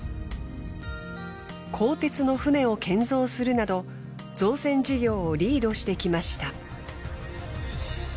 鋼鉄の船を建造するなど造船事業をリードしてきました。